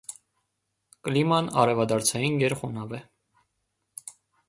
Կլիման արևադարձային գերխոնավ է։